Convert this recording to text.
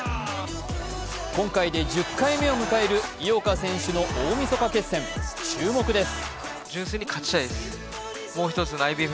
今回で１０回目を迎える井岡選手の大みそか決戦、注目です。